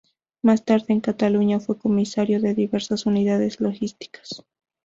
Más tarde, en Cataluña fue comisario de diversas unidades logísticas.